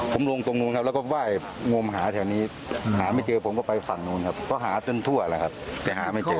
ผมลงตรงนู้นครับแล้วก็ไหว้งมหาแถวนี้หาไม่เจอผมก็ไปฝั่งนู้นครับก็หาจนทั่วแล้วครับแต่หาไม่เจอ